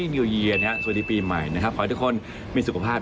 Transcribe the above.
เดี๋ยวกลับมาครับ